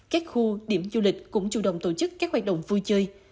các khu điểm du lịch cũng chủ động tổ chức các hoạt động vui chơi